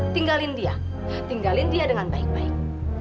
tinggalkan dia tinggalkan dia dengan baik baik